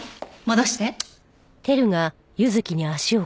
戻して。